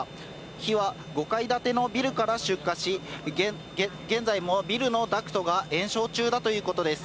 火は５階建てのビルから出火し、現在もビルのダクトが延焼中だということです。